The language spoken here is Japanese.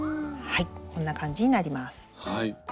はいこんな感じになります。